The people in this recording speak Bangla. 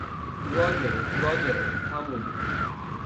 রজার, রজার, থামুন!